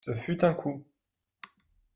Ce fut un coup.